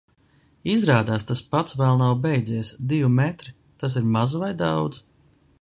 Izrādās, tas pats vēl nav beidzies. Divi metri – tas ir maz vai daudz?